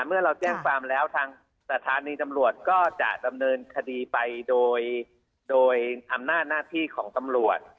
เมื่อเราแจ้งความแล้วทางสถานีตำรวจก็จะดำเนินคดีไปโดยอำนาจหน้าที่ของตำรวจ